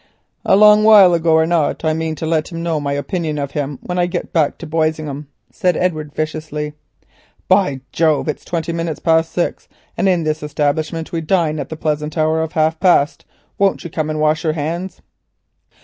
"A long while ago or not I mean to let him know my opinion of him when I get back to Boisingham," said Edward viciously. "By Jove! it's twenty minutes past six, and in this establishment we dine at the pleasant hour of half past. Won't you come and wash your hands."